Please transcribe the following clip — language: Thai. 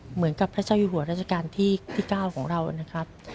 เหมือนกับพระเจ้าอยู่หัวราชการที่๙ของเรานะครับ